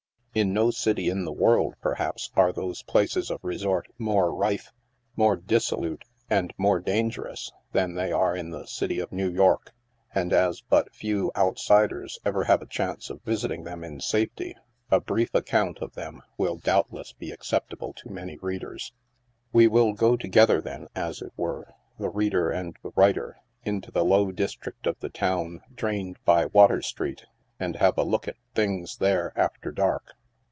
In no city in the world, perhaps, are those places of resort more rife, mere disso lute, and more dangerous, than they are in the city of New York and as but few " outsiders" ever have a chance of visiting them in safety, a brief account of them will doubtless be acceptable to many readers. We will go together then, as it were — the reader and the writer into the low district of the town drained by Water street, and have a look at things there after dark.